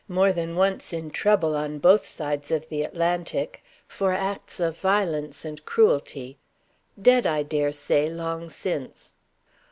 More than once in trouble, on both sides of the Atlantic, for acts of violence and cruelty. Dead, I dare say, long since."